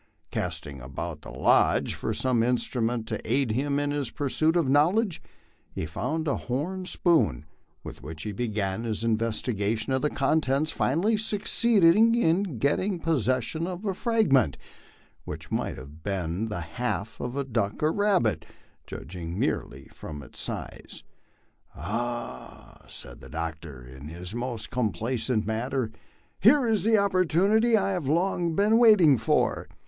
Casting about the lodge for some instrument to aid him in his pursuit of knowledge, he found a horn spoon, with which he began his investigation of the contents, finally succeeding in getting possession of a fragment which might have been the half of a duck or rabbit, judging merely from its size. "Ah!" said the doctor, in his most complacent manner, "hero is the opportunity I have long been waiting for.